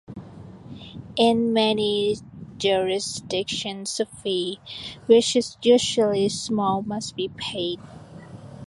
In many jurisdictions a fee, which is usually small, must be paid.